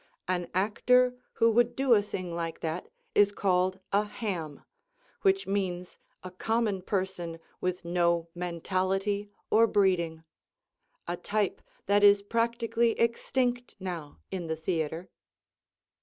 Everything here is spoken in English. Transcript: An actor who would do a thing like that is called a "ham," which means a common person with no mentality or breeding, a type that is practically extinct now in the theatre.